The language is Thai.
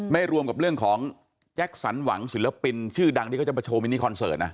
รวมกับเรื่องของแจ็คสันหวังศิลปินชื่อดังที่เขาจะมาโชว์มินิคอนเสิร์ตนะ